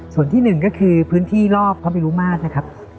ส่วนที่หนึ่งก็คือพื้นที่รอบพระมิรุมาตรนะครับ